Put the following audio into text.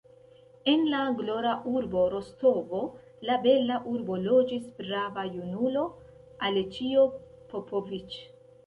En la glora urbo Rostovo, la bela urbo, loĝis brava junulo, Aleĉjo Popoviĉ.